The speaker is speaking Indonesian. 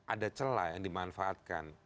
ada celah yang dimanfaatkan